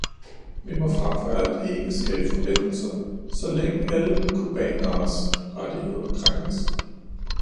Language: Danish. Vi må frem for alt ikke skabe forbindelser, så længe alle cubaneres rettigheder krænkes.